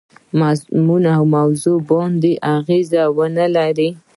مضمون او موضوع باندي اغېزه ونه لري.